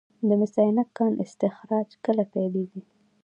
د مس عینک کان استخراج کله پیلیږي؟